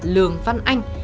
lường văn anh